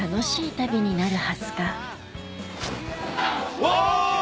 うわ！